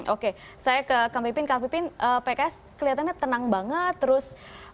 oke saya ke kampipin kampipin pks kelihatannya tenang banget terus